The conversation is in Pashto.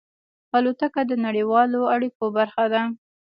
الوتکه د نړیوالو اړیکو برخه ده.